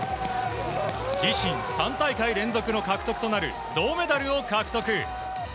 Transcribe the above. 自身３大会連続の獲得となる銅メダルを獲得。